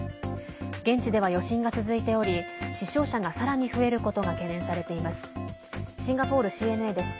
現地では余震が続いており死傷者が、さらに増えることが懸念されています。